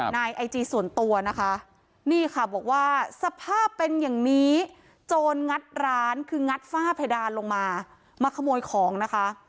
ในไอจีส่วนตัวนะคะนี่ค่ะบอกว่าสภาพเป็นอย่างนี้โจรงัดร้านคืองัดฝ้าเพดานลงมามาขโมยของนะคะ